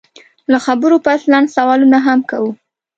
له خبرو پس لنډ سوالونه هم کوو